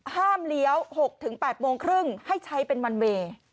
เลี้ยว๖๘โมงครึ่งให้ใช้เป็นวันเวย์